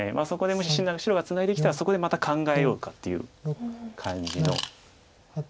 そこでもし白がツナいできたらそこでまた考えようかという感じの。